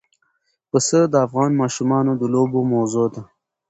پسه د افغان ماشومانو د لوبو موضوع ده.